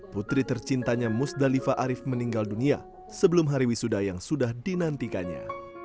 putri tercintanya musdalifa arief meninggal dunia sebelum hari wisuda yang sudah dinantikannya